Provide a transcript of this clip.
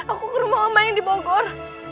aku ke rumah oma yang dibogor